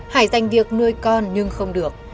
hải dành việc nuôi con nhưng không được